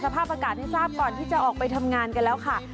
สภาพอากาศให้ทราบก่อนที่จะออกไปทำงานกันแล้วค่ะ